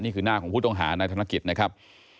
นี่คือหน้าของผู้ต้องหาในธนกิจนะครับ